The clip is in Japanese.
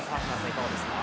いかがですか？